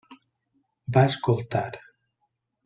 Va escoltar.